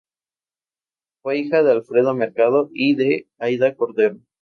Fue hija de Alfredo Mercado y de Aída Cordero.